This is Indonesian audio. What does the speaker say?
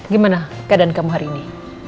gimana keadaan kamu hari ini